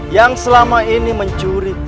yang selama ini mencuri